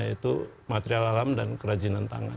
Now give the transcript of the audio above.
yaitu material alam dan kerajinan tangan